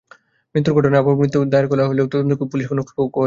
মৃত্যুর ঘটনায় অপমৃত্যু মামলা দায়ের হলেও তদন্তে পুলিশও কোনো ক্লু পায়নি।